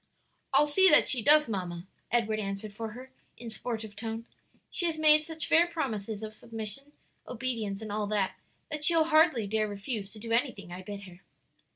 "I'll see that she does, mamma," Edward answered for her, in sportive tone; "she has made such fair promises of submission, obedience, and all that, that she'll hardly dare refuse to do anything I bid her."